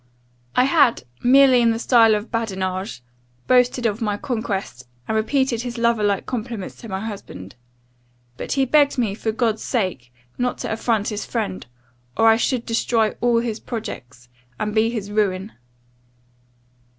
"I had, merely in the style of badinage, boasted of my conquest, and repeated his lover like compliments to my husband. But he begged me, for God's sake, not to affront his friend, or I should destroy all his projects, and be his ruin.